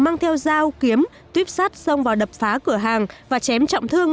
mang theo dao kiếm tuyếp sát xong vào đập phá cửa hàng và chém trọng